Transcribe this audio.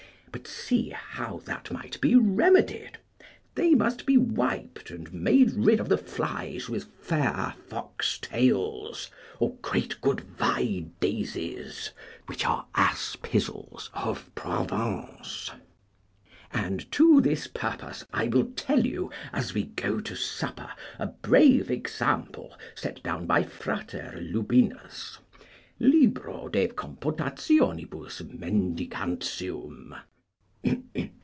But see how that might be remedied: they must be wiped and made rid of the flies with fair foxtails, or great good viedazes, which are ass pizzles, of Provence. And to this purpose I will tell you, as we go to supper, a brave example set down by Frater Lubinus, Libro de compotationibus mendicantium.